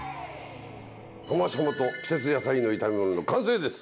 タマシャモと季節野菜の炒め物の完成です！